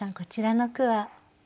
こちらの句は？